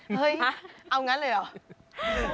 เฮ้ยเอางั้นเลยเหรอ